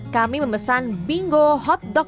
kami memesan bingo hot dog